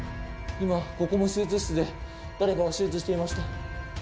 今、ここの手術室で、誰かが手術していました。